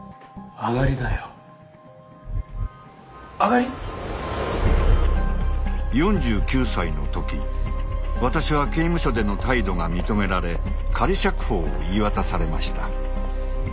上がり⁉４９歳のとき私は刑務所での態度が認められ仮釈放を言い渡されました。